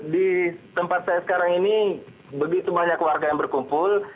di tempat saya sekarang ini begitu banyak warga yang berkumpul